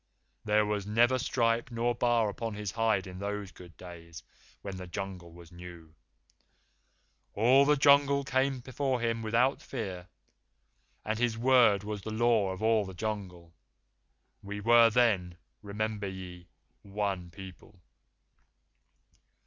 There was never stripe nor bar upon his hide in those good days when this the Jungle was new. All the Jungle People came before him without fear, and his word was the Law of all the Jungle. We were then, remember ye, one people.